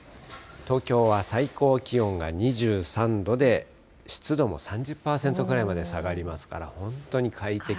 東京は最高気温が２３度で、湿度も３０％ぐらいまで下がりますから、からっとね。